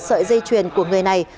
sợi dây chuyền của người này